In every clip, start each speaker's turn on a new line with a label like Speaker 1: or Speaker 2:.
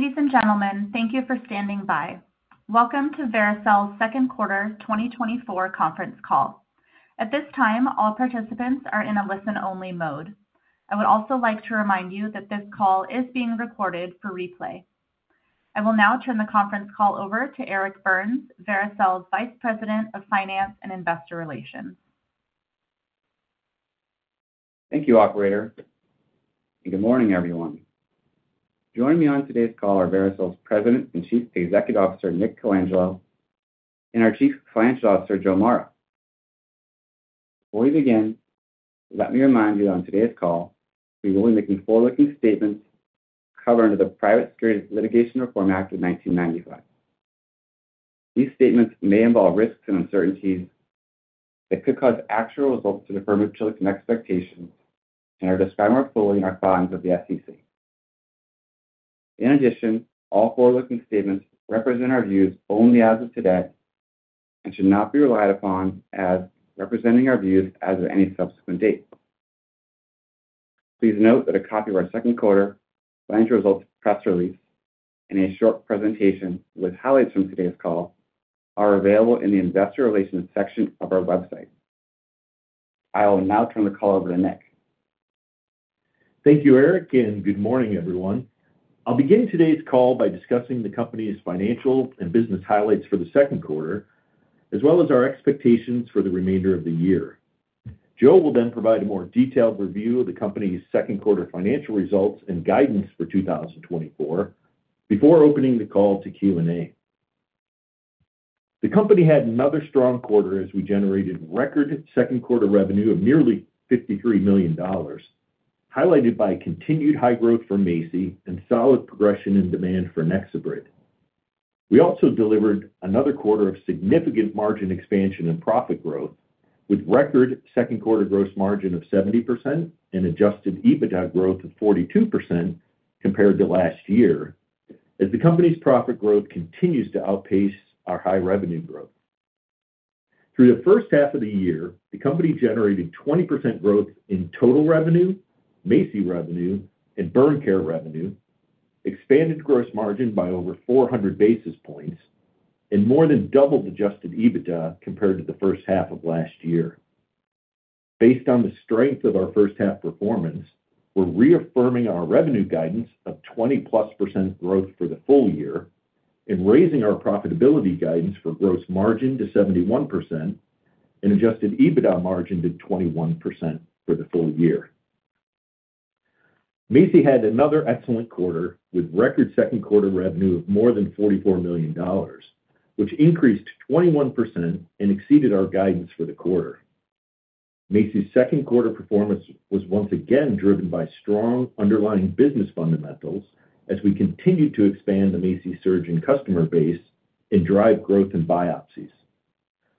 Speaker 1: Ladies and gentlemen, thank you for standing by. Welcome to Vericel's second quarter 2024 conference call. At this time, all participants are in a listen-only mode. I would also like to remind you that this call is being recorded for replay. I will now turn the conference call over to Eric Burns, Vericel's Vice President of Finance and Investor Relations.
Speaker 2: Thank you, operator, and good morning, everyone. Joining me on today's call are Vericel's President and Chief Executive Officer, Nick Colangelo, and our Chief Financial Officer, Joe Mara. Before we begin, let me remind you that on today's call, we will be making forward-looking statements covered under the Private Securities Litigation Reform Act of 1995. These statements may involve risks and uncertainties that could cause actual results to differ materially from expectations and are described more fully in our filings with the SEC. In addition, all forward-looking statements represent our views only as of today and should not be relied upon as representing our views as of any subsequent date. Please note that a copy of our second quarter financial results press release and a short presentation with highlights from today's call are available in the Investor Relations section of our website. I will now turn the call over to Nick.
Speaker 3: Thank you, Eric, and good morning, everyone. I'll begin today's call by discussing the company's financial and business highlights for the second quarter, as well as our expectations for the remainder of the year. Joe will then provide a more detailed review of the company's second quarter financial results and guidance for 2024 before opening the call to Q&A. The company had another strong quarter as we generated record second quarter revenue of nearly $53 million, highlighted by continued high growth for MACI and solid progression in demand for NexoBrid. We also delivered another quarter of significant margin expansion and profit growth, with record second quarter gross margin of 70% and adjusted EBITDA growth of 42% compared to last year, as the company's profit growth continues to outpace our high revenue growth. Through the first half of the year, the company generated 20% growth in total revenue, MACI revenue, and burn care revenue, expanded gross margin by over 400 basis points, and more than doubled Adjusted EBITDA compared to the first half of last year. Based on the strength of our first half performance, we're reaffirming our revenue guidance of 20+% growth for the full year and raising our profitability guidance for gross margin to 71% and Adjusted EBITDA margin to 21% for the full year. MACI had another excellent quarter, with record second quarter revenue of more than $44 million, which increased 21% and exceeded our guidance for the quarter. MACI's second quarter performance was once again driven by strong underlying business fundamentals as we continued to expand the MACI surgeon customer base and drive growth in biopsies.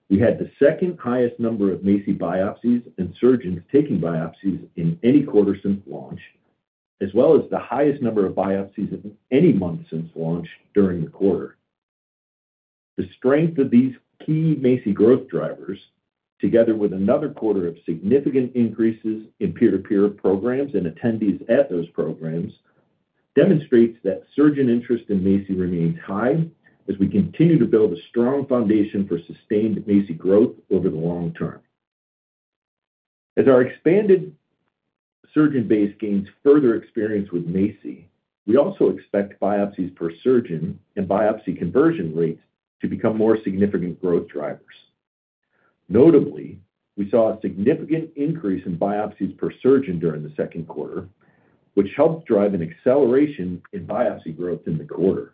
Speaker 3: We had the second highest number of MACI biopsies and surgeons taking biopsies in any quarter since launch, as well as the highest number of biopsies in any month since launch during the quarter. The strength of these key MACI growth drivers, together with another quarter of significant increases in peer-to-peer programs and attendees at those programs, demonstrates that surgeon interest in MACI remains high as we continue to build a strong foundation for sustained MACI growth over the long term. As our expanded surgeon base gains further experience with MACI, we also expect biopsies per surgeon and biopsy conversion rates to become more significant growth drivers. Notably, we saw a significant increase in biopsies per surgeon during the second quarter, which helped drive an acceleration in biopsy growth in the quarter.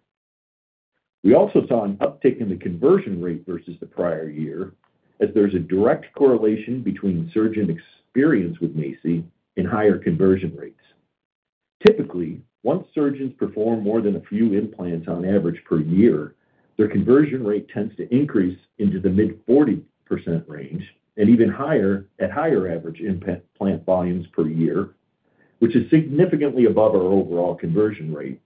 Speaker 3: We also saw an uptick in the conversion rate versus the prior year, as there's a direct correlation between surgeon experience with MACI and higher conversion rates. Typically, once surgeons perform more than a few implants on average per year, their conversion rate tends to increase into the mid-40% range and even higher at higher average implant volumes per year, which is significantly above our overall conversion rate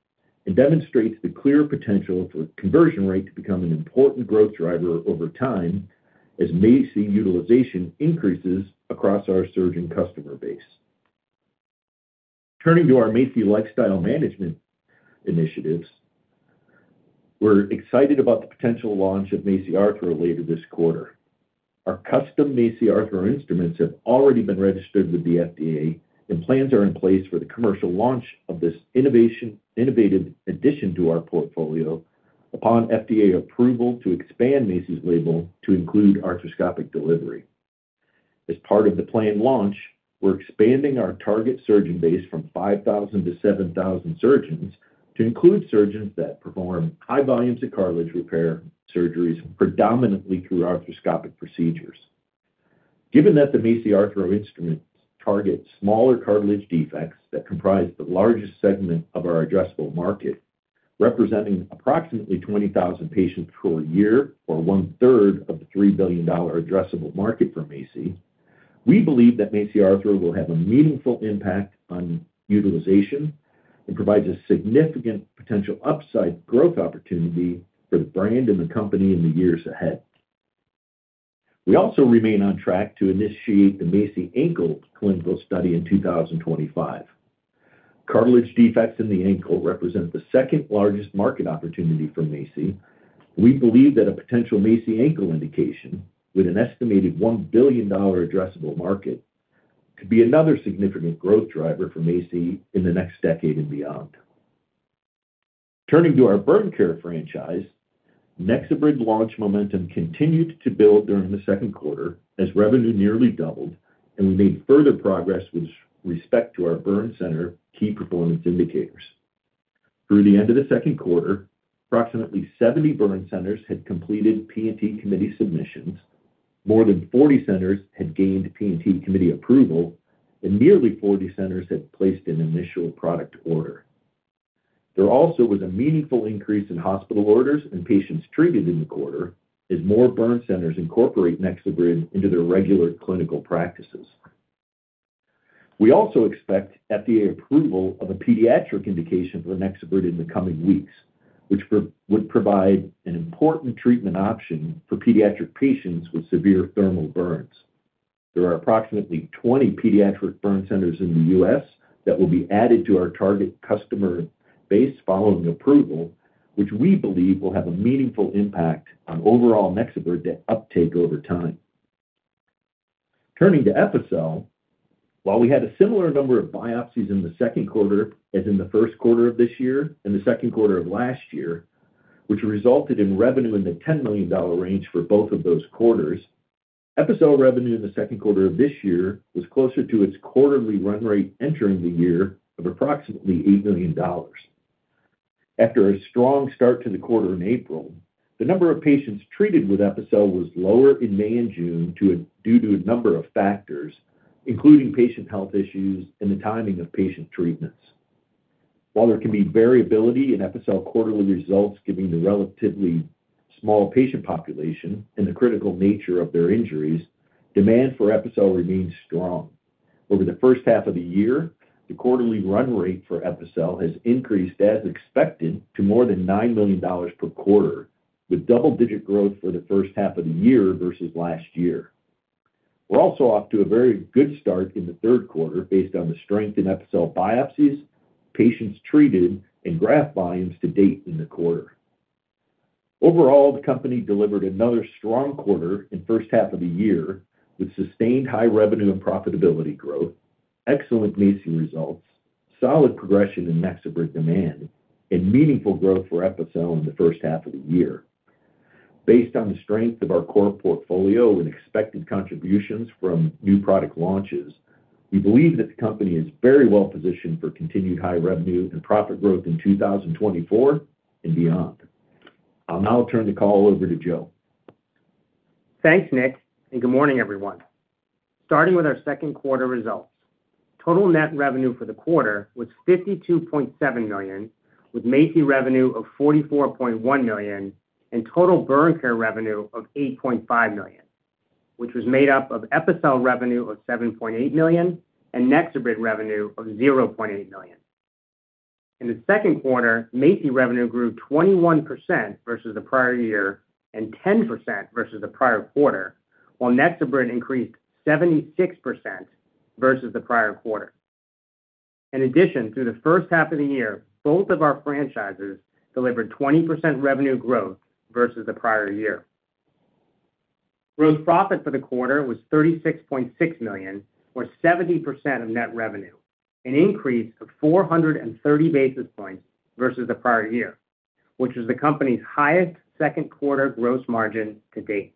Speaker 3: and demonstrates the clear potential for conversion rate to become an important growth driver over time as MACI utilization increases across our surgeon customer base. Turning to our MACI lifestyle management initiatives, we're excited about the potential launch of MACI Arthro later this quarter. Our custom MACI Arthro instruments have already been registered with the FDA, and plans are in place for the commercial launch of this innovative addition to our portfolio upon FDA approval to expand MACI's label to include arthroscopic delivery. As part of the planned launch, we're expanding our target surgeon base from 5,000 to 7,000 surgeons to include surgeons that perform high volumes of cartilage repair surgeries predominantly through arthroscopic procedures. Given that the MACI Arthro instruments target smaller cartilage defects that comprise the largest segment of our addressable market, representing approximately 20,000 patients per year or one-third of the $3 billion addressable market for MACI, we believe that MACI Arthro will have a meaningful impact on utilization and provides a significant potential upside growth opportunity for the brand and the company in the years ahead. We also remain on track to initiate the MACI ankle clinical study in 2025. Cartilage defects in the ankle represent the second largest market opportunity for MACI. We believe that a potential MACI ankle indication, with an estimated $1 billion addressable market, could be another significant growth driver for MACI in the next decade and beyond. Turning to our burn care franchise, NexoBrid launch momentum continued to build during the second quarter as revenue nearly doubled, and we made further progress with respect to our burn center key performance indicators. Through the end of the second quarter, approximately 70 burn centers had completed P&T committee submissions, more than 40 centers had gained P&T committee approval, and nearly 40 centers had placed an initial product order. There also was a meaningful increase in hospital orders and patients treated in the quarter as more burn centers incorporate NexoBrid into their regular clinical practices. We also expect FDA approval of a pediatric indication for NexoBrid in the coming weeks, which would provide an important treatment option for pediatric patients with severe thermal burns. There are approximately 20 pediatric burn centers in the U.S. that will be added to our target customer base following approval, which we believe will have a meaningful impact on overall NexoBrid uptake over time. Turning to Epicel, while we had a similar number of biopsies in the second quarter as in the first quarter of this year and the second quarter of last year, which resulted in revenue in the $10 million range for both of those quarters, Epicel revenue in the second quarter of this year was closer to its quarterly run rate entering the year of approximately $8 million. After a strong start to the quarter in April, the number of patients treated with Epicel was lower in May and June due to a number of factors, including patient health issues and the timing of patient treatments. While there can be variability in Epicel quarterly results, given the relatively small patient population and the critical nature of their injuries, demand for Epicel remains strong. Over the first half of the year, the quarterly run rate for Epicel has increased as expected to more than $9 million per quarter, with double-digit growth for the first half of the year versus last year. We're also off to a very good start in the third quarter based on the strength in Epicel biopsies, patients treated, and graft volumes to date in the quarter. Overall, the company delivered another strong quarter in first half of the year, with sustained high revenue and profitability growth, excellent MACI results, solid progression in NexoBrid demand, and meaningful growth for Epicel in the first half of the year. Based on the strength of our core portfolio and expected contributions from new product launches, we believe that the company is very well positioned for continued high revenue and profit growth in 2024 and beyond. I'll now turn the call over to Joe.
Speaker 4: Thanks, Nick, and good morning, everyone. Starting with our second quarter results. Total net revenue for the quarter was $52.7 million, with MACI revenue of $44.1 million, and total burn care revenue of $8.5 million, which was made up of Epicel revenue of $7.8 million and NexoBrid revenue of $0.8 million. In the second quarter, MACI revenue grew 21% versus the prior year, and 10% versus the prior quarter, while NexoBrid increased 76% versus the prior quarter. In addition, through the first half of the year, both of our franchises delivered 20% revenue growth versus the prior year. Gross profit for the quarter was $36.6 million, or 70% of net revenue, an increase of 430 basis points versus the prior year, which is the company's highest second quarter gross margin to date.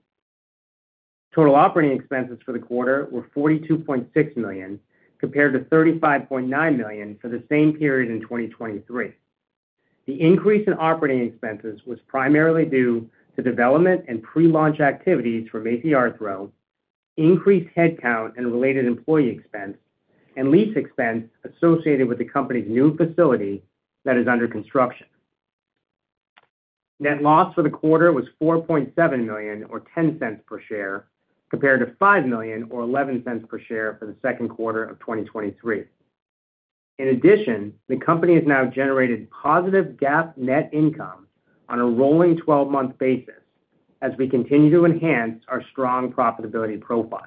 Speaker 4: Total operating expenses for the quarter were $42.6 million, compared to $35.9 million for the same period in 2023. The increase in operating expenses was primarily due to development and pre-launch activities for MACI Arthro, increased headcount and related employee expense, and lease expense associated with the company's new facility that is under construction. Net loss for the quarter was $4.7 million, or $0.10 per share, compared to $5 million or $0.11 per share for the second quarter of 2023. In addition, the company has now generated positive GAAP net income on a rolling twelve-month basis as we continue to enhance our strong profitability profile.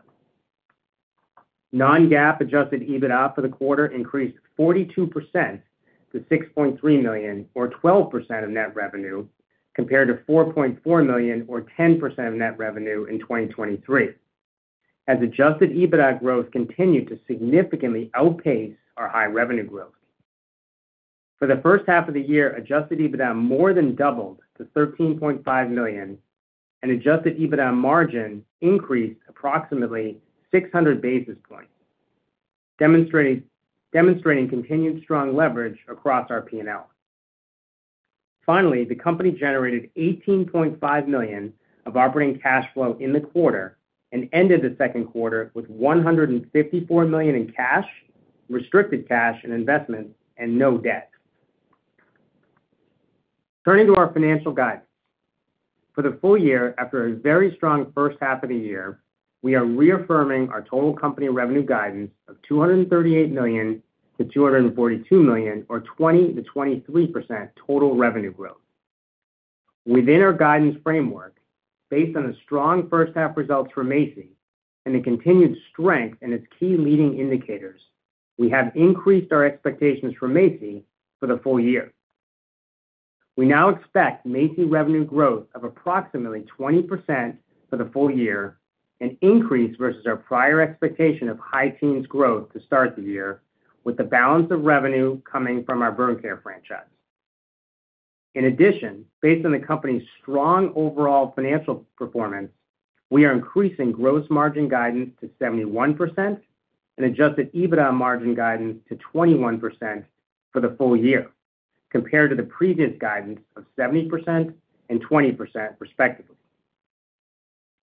Speaker 4: Non-GAAP adjusted EBITDA for the quarter increased 42% to $6.3 million or 12% of net revenue, compared to $4.4 million or 10% of net revenue in 2023, as adjusted EBITDA growth continued to significantly outpace our high revenue growth. For the first half of the year, adjusted EBITDA more than doubled to $13.5 million, and adjusted EBITDA margin increased approximately 600 basis points, demonstrating continued strong leverage across our P&L. Finally, the company generated $18.5 million of operating cash flow in the quarter and ended the second quarter with $154 million in cash, restricted cash and investments, and no debt. Turning to our financial guidance. For the full year, after a very strong first half of the year, we are reaffirming our total company revenue guidance of $238 million-$242 million, or 20%-23% total revenue growth. Within our guidance framework, based on the strong first half results from MACI and the continued strength in its key leading indicators, we have increased our expectations for MACI for the full year. We now expect MACI revenue growth of approximately 20% for the full year, an increase versus our prior expectation of high teens growth to start the year, with the balance of revenue coming from our burn care franchise. In addition, based on the company's strong overall financial performance, we are increasing gross margin guidance to 71% and Adjusted EBITDA margin guidance to 21% for the full year, compared to the previous guidance of 70% and 20% respectively.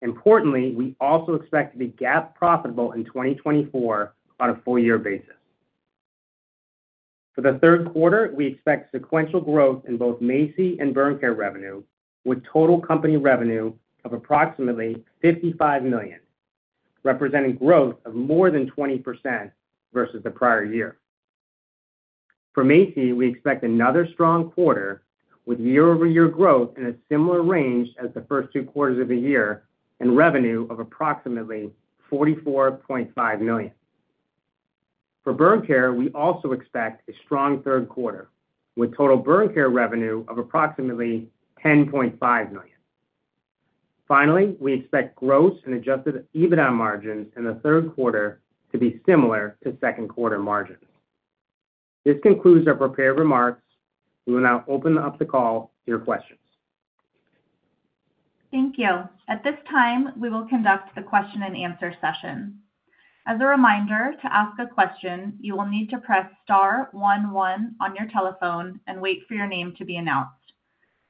Speaker 4: Importantly, we also expect to be GAAP profitable in 2024 on a full year basis. For the third quarter, we expect sequential growth in both MACI and burn care revenue, with total company revenue of approximately $55 million, representing growth of more than 20% versus the prior year. For MACI, we expect another strong quarter, with year-over-year growth in a similar range as the first two quarters of the year, and revenue of approximately $44.5 million. For burn care, we also expect a strong third quarter, with total burn care revenue of approximately $10.5 million. Finally, we expect gross and adjusted EBITDA margins in the third quarter to be similar to second quarter margins. This concludes our prepared remarks. We will now open up the call to your questions.
Speaker 1: Thank you. At this time, we will conduct the question and answer session. As a reminder, to ask a question, you will need to press star one, one on your telephone and wait for your name to be announced.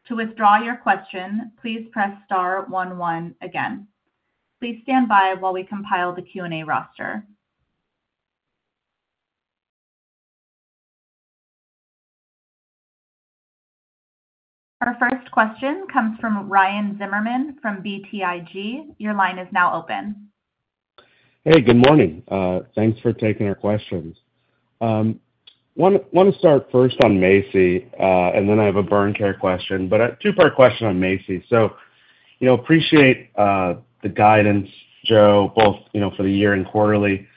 Speaker 1: To withdraw your question, please press star one, one again. Please stand by while we compile the Q&A roster. Our first question comes from Ryan Zimmerman from BTIG. Your line is now open.
Speaker 5: Hey, good morning. Thanks for taking our questions. Want to start first on MACI, and then I have a burn care question. But a two-part question on MACI. So, you know, appreciate the guidance, Joe, both, you know, for the year and quarterly.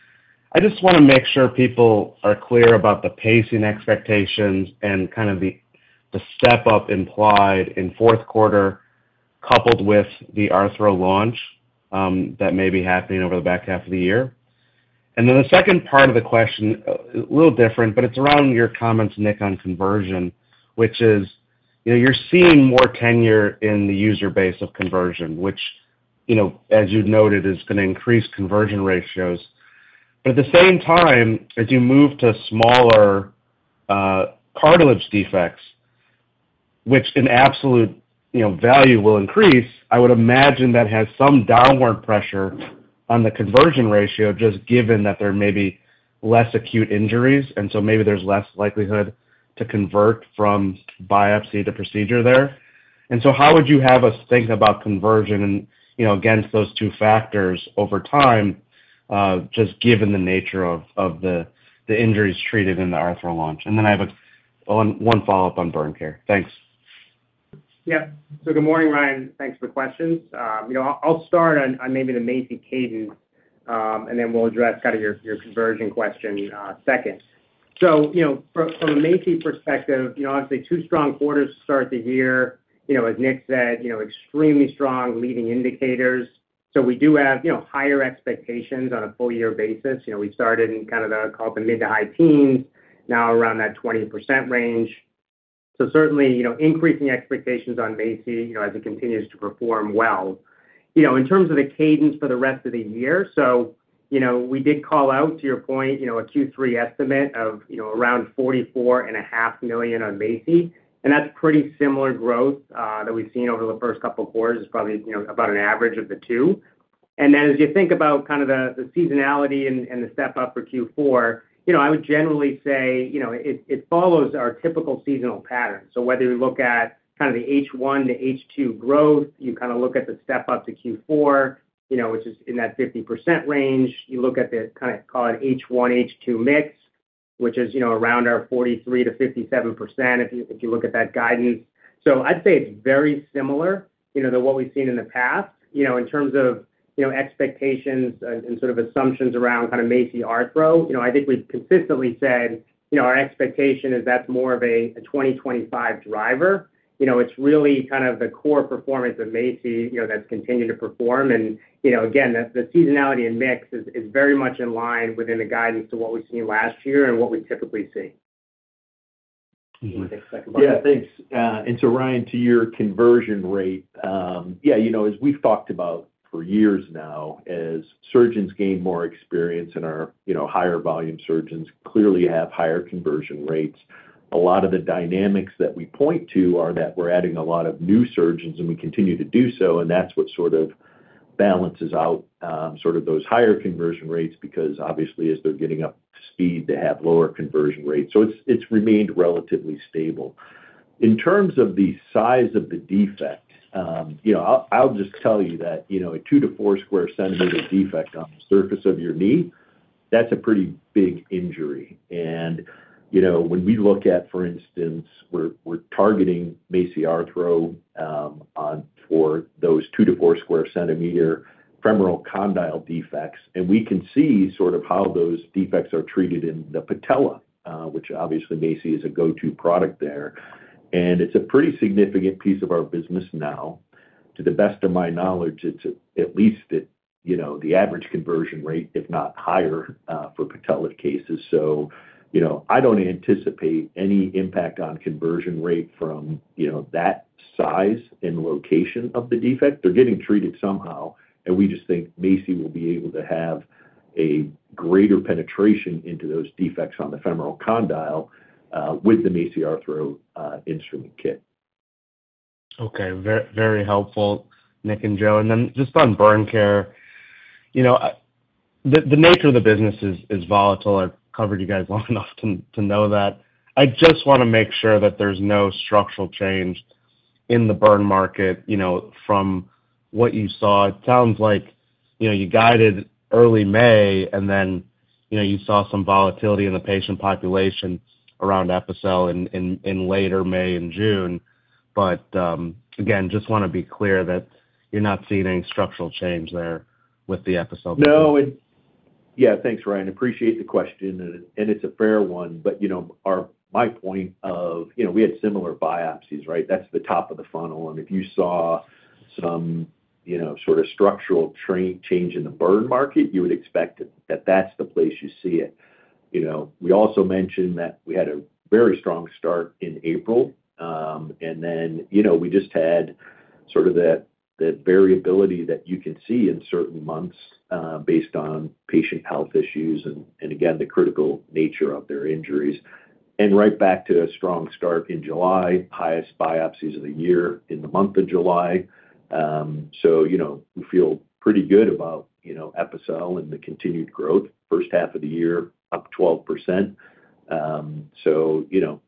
Speaker 5: I just want to make sure people are clear about the pacing expectations and kind of the step-up implied in fourth quarter, coupled with the arthro launch that may be happening over the back half of the year. And then the second part of the question, a little different, but it's around your comments, Nick, on conversion, which is, you know, you're seeing more tenure in the user base of conversion, which, you know, as you've noted, is going to increase conversion ratios. But at the same time, as you move to smaller cartilage defects, which in absolute, you know, value will increase, I would imagine that has some downward pressure on the conversion ratio, just given that there may be less acute injuries, and so maybe there's less likelihood to convert from biopsy to procedure there. And so how would you have us think about conversion, you know, against those two factors over time, just given the nature of the injuries treated in the arthro launch? And then I have one follow-up on burn care. Thanks.
Speaker 4: Yeah. So good morning, Ryan. Thanks for the questions. You know, I'll start on maybe the MACI cadence, and then we'll address kind of your conversion question second. So, you know, from a MACI perspective, you know, obviously, two strong quarters to start the year. You know, as Nick said, you know, extremely strong leading indicators. So we do have, you know, higher expectations on a full year basis. You know, we started in kind of the, call it the mid to high teens, now around that 20% range. So certainly, you know, increasing expectations on MACI, you know, as it continues to perform well. You know, in terms of the cadence for the rest of the year, so, you know, we did call out, to your point, you know, a Q3 estimate of, you know, around $44.5 million on MACI, and that's pretty similar growth that we've seen over the first couple of quarters. It's probably, you know, about an average of the two. And then as you think about kind of the, the seasonality and, and the step up for Q4, you know, I would generally say, you know, it, it follows our typical seasonal pattern. So whether you look at kind of the H1 to H2 growth, you kind of look at the step up to Q4, you know, which is in that 50% range. You look at the kind of, call it H1, H2 mix, which is, you know, around our 43%-57%, if you, if you look at that guidance. So I'd say it's very similar, you know, to what we've seen in the past. You know, in terms of, you know, expectations and, and sort of assumptions around kind of MACI Arthro, you know, I think we've consistently said, you know, our expectation is that's more of a, a 2025 driver. You know, it's really kind of the core performance of MACI, you know, that's continued to perform. And, you know, again, the, the seasonality in mix is, is very much in line within the guidance to what we've seen last year and what we typically see.
Speaker 3: Yeah, thanks. And so Ryan, to your conversion rate, yeah, you know, as we've talked about for years now, as surgeons gain more experience and are, you know, higher volume surgeons clearly have higher conversion rates. A lot of the dynamics that we point to are that we're adding a lot of new surgeons, and we continue to do so, and that's what sort of balances out, sort of those higher conversion rates, because obviously, as they're getting up to speed, they have lower conversion rates. So it's, it's remained relatively stable. In terms of the size of the defect, you know, I'll just tell you that, you know, a 2-4 sq cm defect on the surface of your knee. That's a pretty big injury. And, you know, when we look at, for instance, we're targeting MACI Arthro on for those 2-4 sq cm femoral condyle defects, and we can see sort of how those defects are treated in the patella, which obviously MACI is a go-to product there. And it's a pretty significant piece of our business now. To the best of my knowledge, it's at least, you know, the average conversion rate, if not higher, for patella cases. So, you know, I don't anticipate any impact on conversion rate from, you know, that size and location of the defect. They're getting treated somehow, and we just think MACI will be able to have a greater penetration into those defects on the femoral condyle with the MACI Arthro instrument kit.
Speaker 5: Okay. Very helpful, Nick and Joe. And then just on burn care, you know, the nature of the business is volatile. I've covered you guys long enough to know that. I just wanna make sure that there's no structural change in the burn market, you know, from what you saw. It sounds like, you know, you guided early May, and then, you know, you saw some volatility in the patient population around Epicel in later May and June. But again, just wanna be clear that you're not seeing any structural change there with the Epicel?
Speaker 3: No, yeah, thanks, Ryan. Appreciate the question, and it's a fair one, but, you know, my point of, you know, we had similar biopsies, right? That's the top of the funnel, and if you saw some, you know, sort of structural trend change in the burn market, you would expect it, that's the place you see it. You know, we also mentioned that we had a very strong start in April. And then, you know, we just had sort of that variability that you can see in certain months, based on patient health issues and, again, the critical nature of their injuries. And right back to a strong start in July, highest biopsies of the year in the month of July. So, you know, we feel pretty good about, you know, Epicel and the continued growth. First half of the year, up 12%. So, you know,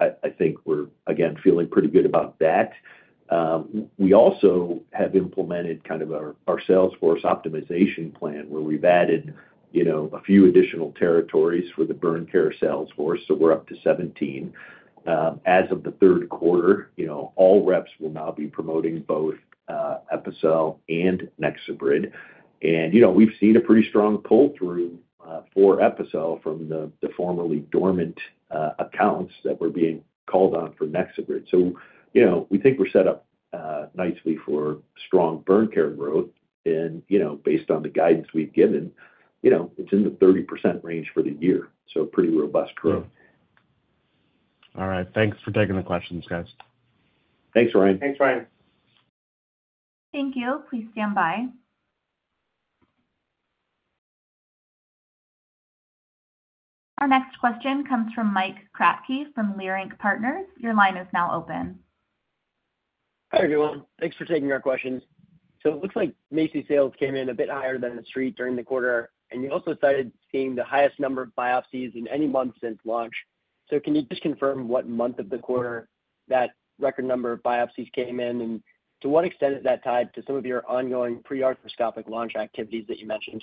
Speaker 3: I think we're, again, feeling pretty good about that. We also have implemented kind of our sales force optimization plan, where we've added, you know, a few additional territories for the burn care sales force, so we're up to 17. As of the third quarter, you know, all reps will now be promoting both Epicel and NexoBrid. And, you know, we've seen a pretty strong pull-through for Epicel from the formerly dormant accounts that were being called on for NexoBrid. So, you know, we think we're set up nicely for strong burn care growth and, you know, based on the guidance we've given, you know, it's in the 30% range for the year, so pretty robust growth.
Speaker 5: All right. Thanks for taking the questions, guys.
Speaker 3: Thanks, Ryan.
Speaker 2: Thanks, Ryan.
Speaker 1: Thank you. Please stand by. Our next question comes from Mike Kratky from Leerink Partners. Your line is now open.
Speaker 6: Hi, everyone. Thanks for taking our questions. So it looks like MACI sales came in a bit higher than the street during the quarter, and you also started seeing the highest number of biopsies in any month since launch. So can you just confirm what month of the quarter that record number of biopsies came in? And to what extent is that tied to some of your ongoing pre-arthroscopic launch activities that you mentioned?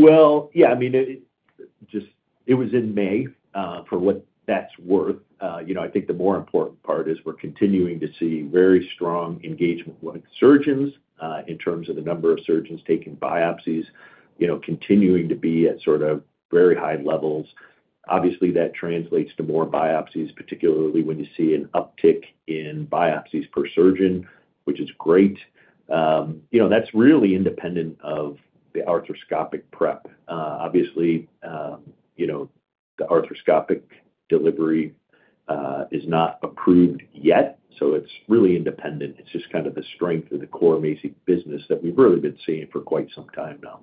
Speaker 3: Well, yeah, I mean, it was in May, for what that's worth. You know, I think the more important part is we're continuing to see very strong engagement with surgeons, in terms of the number of surgeons taking biopsies, you know, continuing to be at sort of very high levels. Obviously, that translates to more biopsies, particularly when you see an uptick in biopsies per surgeon, which is great. You know, that's really independent of the arthroscopic prep. Obviously, you know, the arthroscopic delivery is not approved yet, so it's really independent. It's just kind of the strength of the core MACI business that we've really been seeing for quite some time now.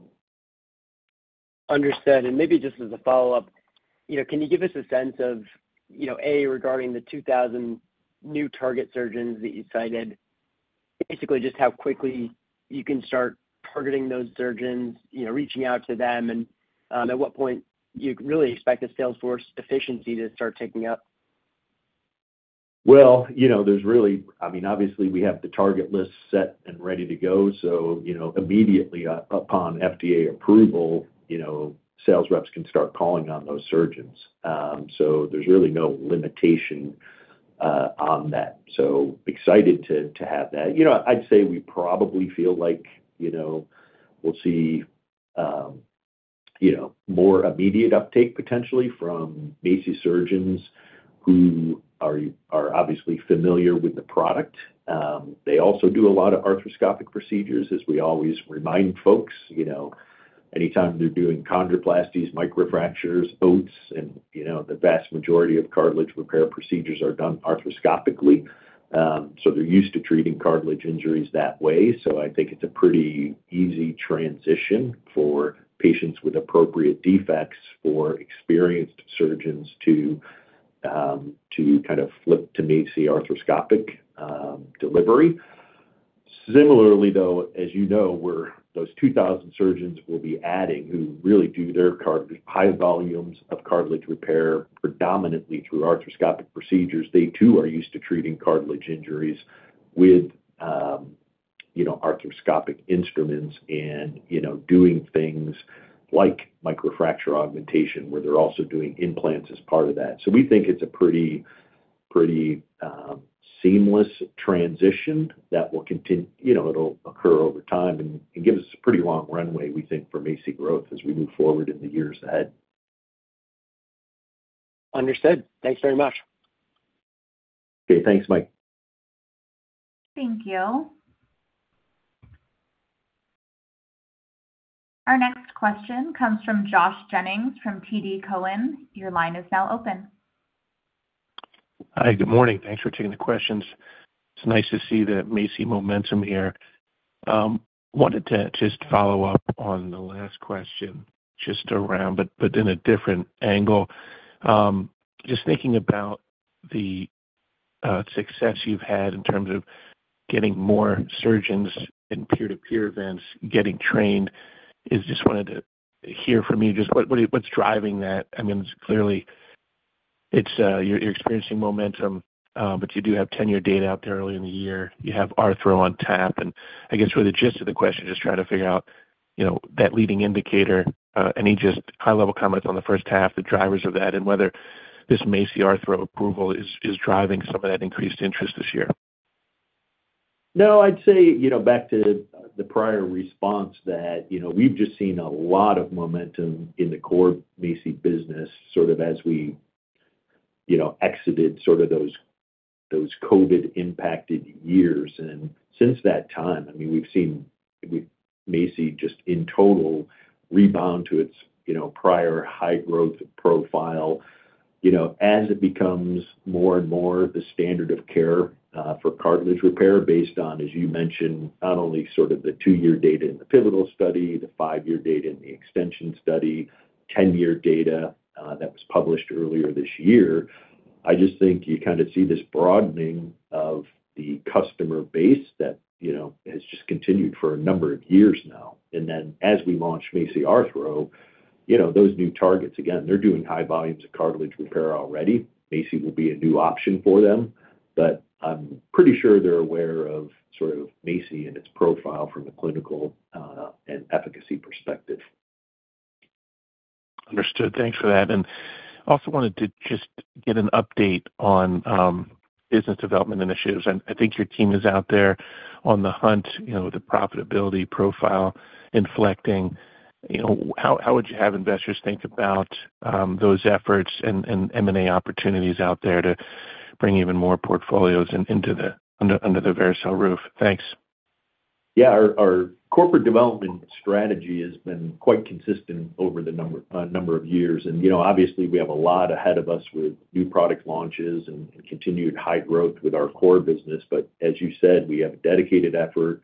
Speaker 6: Understood. And maybe just as a follow-up, you know, can you give us a sense of, you know, A, regarding the 2,000 new target surgeons that you cited, basically just how quickly you can start targeting those surgeons, you know, reaching out to them, and at what point you'd really expect the sales force efficiency to start ticking up?
Speaker 3: Well, you know, there's really—I mean, obviously, we have the target list set and ready to go, so, you know, immediately upon FDA approval, you know, sales reps can start calling on those surgeons. So there's really no limitation on that. So excited to have that. You know, I'd say we probably feel like, you know, we'll see, you know, more immediate uptake potentially from MACI surgeons who are obviously familiar with the product. They also do a lot of arthroscopic procedures, as we always remind folks. You know, anytime they're doing chondroplasties, microfractures, OATS, and, you know, the vast majority of cartilage repair procedures are done arthroscopically. So they're used to treating cartilage injuries that way. So I think it's a pretty easy transition for patients with appropriate defects, for experienced surgeons to kind of flip to MACI arthroscopic delivery. Similarly, though, as you know, those 2,000 surgeons will be adding, who really do high volumes of cartilage repair, predominantly through arthroscopic procedures. They, too, are used to treating cartilage injuries with you know, arthroscopic instruments and, you know, doing things like microfracture augmentation, where they're also doing implants as part of that. So we think it's a pretty, pretty, seamless transition that will you know, it'll occur over time and, and give us a pretty long runway, we think, for MACI growth as we move forward in the years ahead.
Speaker 6: Understood. Thanks very much.
Speaker 3: Okay, thanks, Mike.
Speaker 1: Thank you. Our next question comes from Josh Jennings from TD Cowen. Your line is now open.
Speaker 7: Hi, good morning. Thanks for taking the questions. It's nice to see the MACI momentum here. Wanted to just follow up on the last question, just around, but in a different angle. Just thinking about the success you've had in terms of getting more surgeons in peer-to-peer events, getting trained, just wanted to hear from you just what, what's driving that? I mean, it's clearly, it's you're experiencing momentum, but you do have 10-year data out there early in the year. You have Arthro on tap, and I guess where the gist of the question is just trying to figure out, you know, that leading indicator. Any just high-level comments on the first half, the drivers of that, and whether this MACI Arthro approval is driving some of that increased interest this year?
Speaker 3: No, I'd say, you know, back to the prior response that, you know, we've just seen a lot of momentum in the core MACI business, sort of as we, you know, exited sort of those, those COVID-impacted years. And since that time, I mean, we've seen MACI just in total rebound to its, you know, prior high growth profile. You know, as it becomes more and more the standard of care for cartilage repair, based on, as you mentioned, not only sort of the two-year data in the pivotal study, the five-year data in the extension study, 10-year data that was published earlier this year, I just think you kind of see this broadening of the customer base that, you know, has just continued for a number of years now. Then as we launch MACI Arthro, you know, those new targets, again, they're doing high volumes of cartilage repair already. MACI will be a new option for them, but I'm pretty sure they're aware of sort of MACI and its profile from a clinical and efficacy perspective.
Speaker 7: Understood. Thanks for that. And also wanted to just get an update on business development initiatives. I think your team is out there on the hunt, you know, with the profitability profile inflecting. You know, how would you have investors think about those efforts and M&A opportunities out there to bring even more portfolios into the under the Vericel roof? Thanks.
Speaker 3: Yeah, our corporate development strategy has been quite consistent over the number of years. And, you know, obviously, we have a lot ahead of us with new product launches and continued high growth with our core business. But as you said, we have a dedicated effort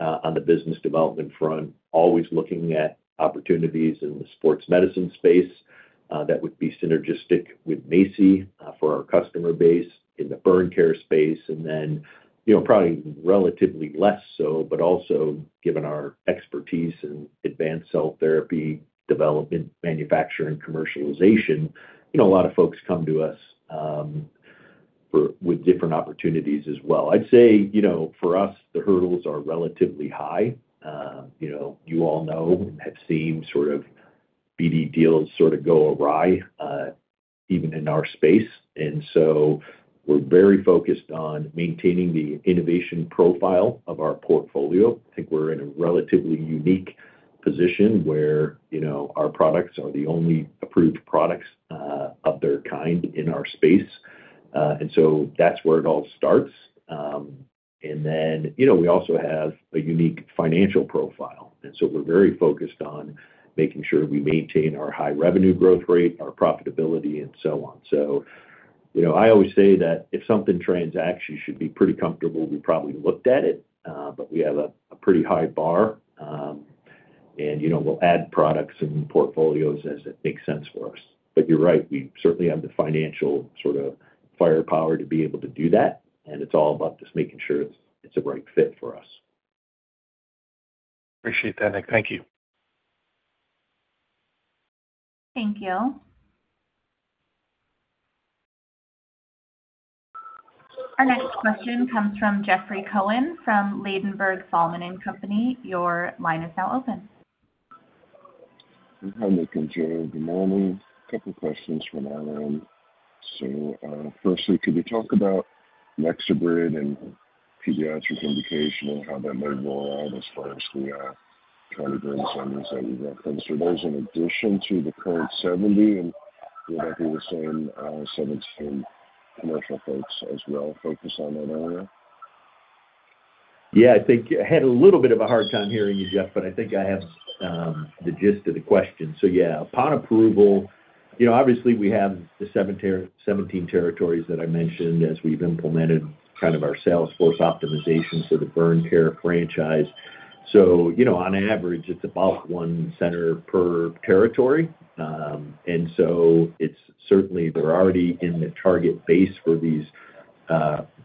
Speaker 3: on the business development front, always looking at opportunities in the sports medicine space that would be synergistic with MACI for our customer base in the burn care space. And then, you know, probably relatively less so, but also given our expertise in advanced cell therapy development, manufacturing, and commercialization, you know, a lot of folks come to us with different opportunities as well. I'd say, you know, for us, the hurdles are relatively high. You know, you all know and have seen sort of BD deals sort of go awry, even in our space. And so we're very focused on maintaining the innovation profile of our portfolio. I think we're in a relatively unique position where, you know, our products are the only approved products of their kind in our space. And so that's where it all starts. And then, you know, we also have a unique financial profile, and so we're very focused on making sure we maintain our high revenue growth rate, our profitability, and so on. So, you know, I always say that if something transacts, you should be pretty comfortable. We probably looked at it, but we have a pretty high bar. And, you know, we'll add products and portfolios as it makes sense for us. But you're right, we certainly have the financial sort of firepower to be able to do that, and it's all about just making sure it's, it's a right fit for us.
Speaker 7: Appreciate that, Nick. Thank you.
Speaker 1: Thank you. Our next question comes from Jeffrey Cohen from Ladenburg Thalmann & Company. Your line is now open.
Speaker 8: Hi, Nick and Joe. Good morning. A couple questions from our end. So, firstly, could you talk about NexoBrid and pediatric indication and how that might roll out as far as the, kind of brainstorms that you've got for those in addition to the current 70, and will that be the same, 17 commercial folks as well, focus on that area?
Speaker 3: Yeah, I think I had a little bit of a hard time hearing you, Jeff, but I think I have the gist of the question. So yeah, upon approval, you know, obviously, we have the 17 territories that I mentioned as we've implemented kind of our sales force optimization for the burn care franchise. So you know, on average, it's about one center per territory. And so it's certainly they're already in the target base for these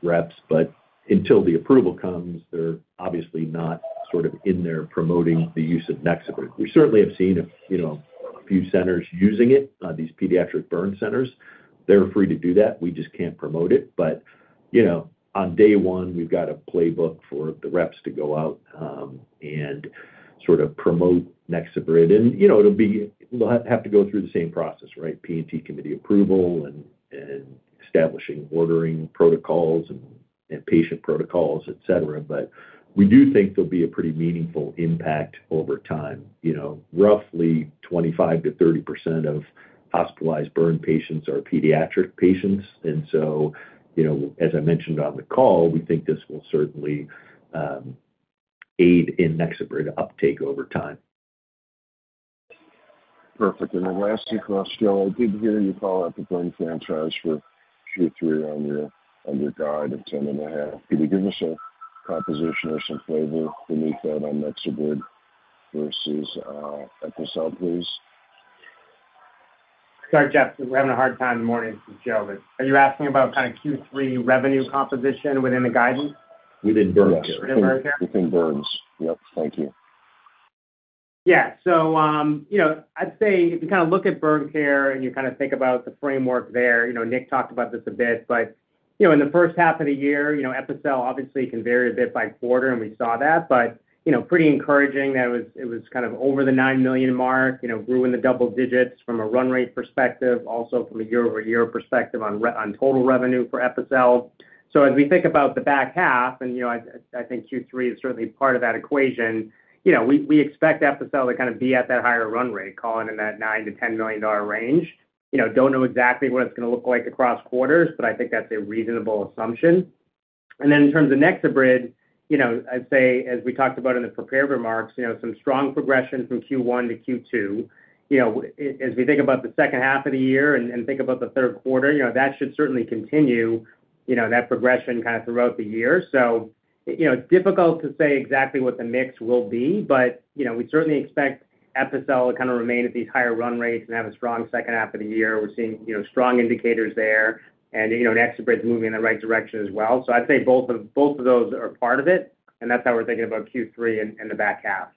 Speaker 3: reps, but until the approval comes, they're obviously not sort of in there promoting the use of NexoBrid. We certainly have seen a, you know, a few centers using it, these pediatric burn centers. They're free to do that. We just can't promote it. But, you know, on day one, we've got a playbook for the reps to go out and sort of promote NexoBrid. And, you know, it'll be, they'll have to go through the same process, right? P&T committee approval and establishing ordering protocols and patient protocols, et cetera. But we do think there'll be a pretty meaningful impact over time. You know, roughly 25%-30% of hospitalized burn patients are pediatric patients, and so, you know, as I mentioned on the call, we think this will certainly aid in NexoBrid uptake over time.
Speaker 8: Perfect. And then lastly for us, Joe, I did hear you call out the burn franchise for Q3 on your guide of $10.5. Could you give us a composition or some flavor beneath that on NexoBrid versus Epicel, please?
Speaker 4: Sorry, Jeff, we're having a hard time in the morning with Joe. But are you asking about kind of Q3 revenue composition within the guidance?
Speaker 3: Within burn care.
Speaker 8: Yes.
Speaker 4: Within burn care?
Speaker 8: Within burns. Yep, thank you.
Speaker 4: Yeah. So, you know, I'd say if you kind of look at burn care, and you kind of think about the framework there, you know, Nick talked about this a bit, but, you know, in the first half of the year, you know, Epicel obviously can vary a bit by quarter, and we saw that. But, you know, pretty encouraging that it was, it was kind of over the $9 million mark, you know, grew in the double digits from a run rate perspective, also from a year-over-year perspective on total revenue for Epicel. So as we think about the back half, and, you know, I, I think Q3 is certainly part of that equation, you know, we, we expect Epicel to kind of be at that higher run rate, calling in that $9-$10 million range. You know, don't know exactly what it's gonna look like across quarters, but I think that's a reasonable assumption. And then in terms of NexoBrid, you know, I'd say, as we talked about in the prepared remarks, you know, some strong progression from Q1 to Q2. You know, as we think about the second half of the year and, and think about the third quarter, you know, that should certainly continue, you know, that progression kind of throughout the year. So, you know, difficult to say exactly what the mix will be, but, you know, we certainly expect Epicel to kind of remain at these higher run rates and have a strong second half of the year. We're seeing, you know, strong indicators there, and, you know, NexoBrid is moving in the right direction as well. So I'd say both of those are part of it, and that's how we're thinking about Q3 and the back half.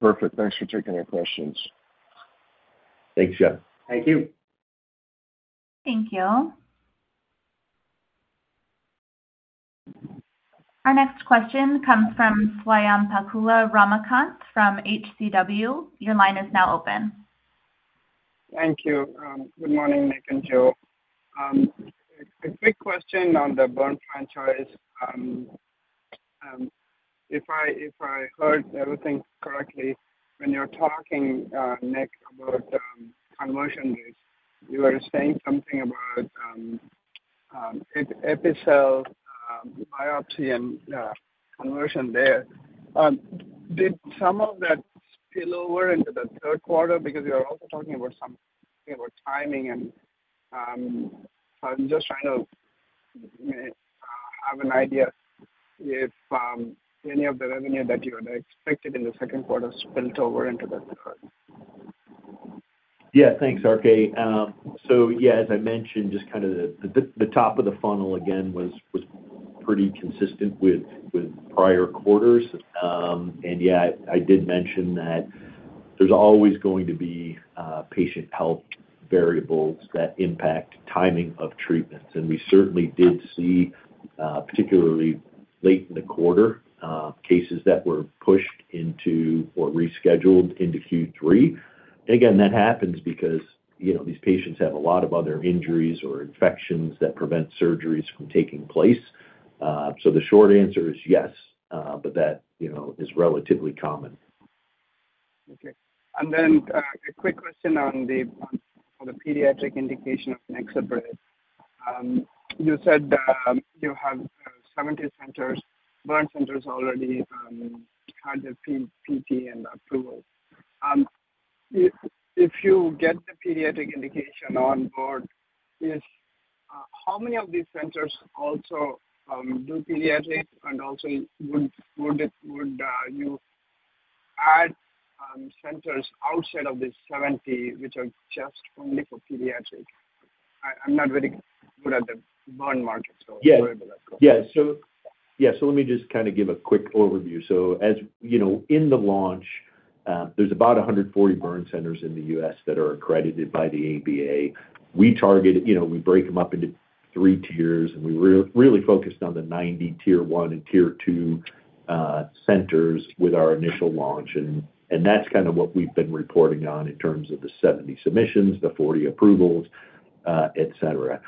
Speaker 8: Perfect. Thanks for taking our questions.
Speaker 3: Thanks, Jeff.
Speaker 8: Thank you.
Speaker 1: Thank you. Our next question comes from Swayampakula Ramakanth from HCW. Your line is now open.
Speaker 9: Thank you. Good morning, Nick and Joe. A quick question on the burn franchise. If I heard everything correctly, when you're talking, Nick, about conversion rates, you were saying something about Epicel biopsy and conversion there. Did some of that spill over into the third quarter? Because you're also talking about some timing, and I'm just trying to have an idea if any of the revenue that you had expected in the second quarter spilled over into the third?
Speaker 3: Yeah. Thanks, RK. So yeah, as I mentioned, just kind of the top of the funnel again was pretty consistent with prior quarters. And yeah, I did mention that there's always going to be patient health variables that impact timing of treatments. And we certainly did see, particularly late in the quarter, cases that were pushed into or rescheduled into Q3. Again, that happens because, you know, these patients have a lot of other injuries or infections that prevent surgeries from taking place. So the short answer is yes, but that, you know, is relatively common.
Speaker 9: Okay. And then, a quick question on the pediatric indication of NexoBrid. You said you have 70 centers, burn centers already under P&T and approval. If you get the pediatric indication on board, how many of these centers also do pediatric and also would you add centers outside of the 70, which are just only for pediatric? I'm not very good at the burn market, so where would I go?
Speaker 3: Yeah, so let me just kind of give a quick overview. So, as you know, in the launch, there's about 140 burn centers in the U.S. that are accredited by the ABA. We target, you know, we break them up into three tiers, and we really focused on the 90 tier one and tier two centers with our initial launch, and that's kind of what we've been reporting on in terms of the 70 submissions, the 40 approvals, et cetera.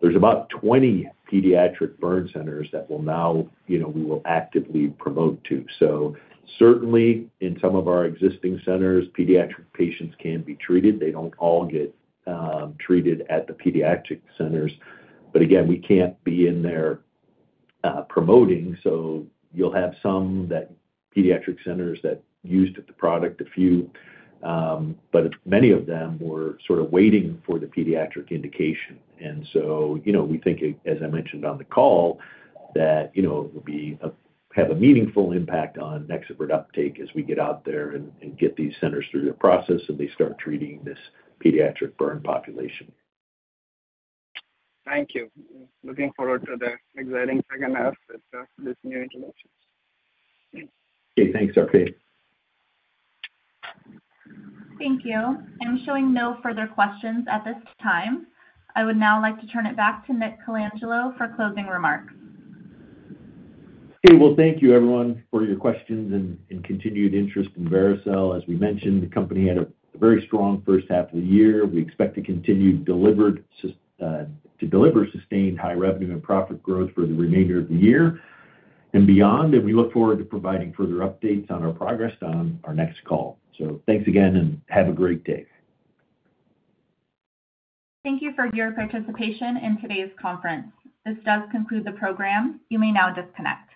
Speaker 3: There's about 20 pediatric burn centers that will now, you know, we will actively promote to. So certainly, in some of our existing centers, pediatric patients can be treated. They don't all get treated at the pediatric centers. But again, we can't be in there promoting, so you'll have some pediatric centers that used the product, a few, but many of them were sort of waiting for the pediatric indication. And so, you know, we think, as I mentioned on the call, that, you know, it will have a meaningful impact on NexoBrid uptake as we get out there and get these centers through the process, and they start treating this pediatric burn population.
Speaker 9: Thank you. Looking forward to the exciting second half with this new introductions.
Speaker 3: Okay, thanks, RK.
Speaker 1: Thank you. I'm showing no further questions at this time. I would now like to turn it back to Nick Colangelo for closing remarks.
Speaker 3: Okay. Well, thank you everyone for your questions and continued interest in Vericel. As we mentioned, the company had a very strong first half of the year. We expect to continue to deliver sustained high revenue and profit growth for the remainder of the year and beyond, and we look forward to providing further updates on our progress on our next call. So thanks again and have a great day.
Speaker 1: Thank you for your participation in today's conference. This does conclude the program. You may now disconnect.